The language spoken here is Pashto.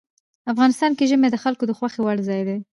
افغانستان کې ژمی د خلکو د خوښې وړ ځای دی.